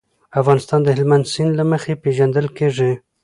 افغانستان د هلمند سیند له مخې پېژندل کېږي.